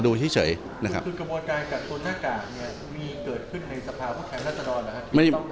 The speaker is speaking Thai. คือกระบวนการกัดตัวหน้ากากมีเกิดขึ้นในสภาพุทธแข่งรัฐรนดรหรือครับ